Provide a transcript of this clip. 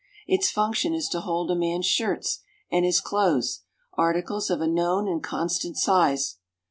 Its function is to hold a man's shirts and his clothes, articles of a known and constant size.